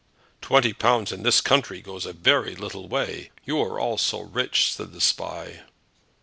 "Twenty pounds in this country goes a very little way; you are all so rich," said the Spy.